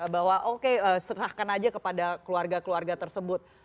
bahwa oke serahkan aja kepada keluarga keluarga tersebut